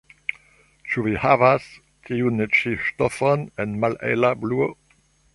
Ĉu vi havas tiun ĉi ŝtofon en malhela bluo?